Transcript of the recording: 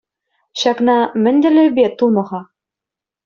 Ҫакна мӗн тӗллевпе тунӑ-ха?